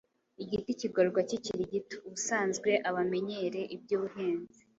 Igiti kigororwa kikiri gito ubusanzwe abamenyere iby’ubuhinzi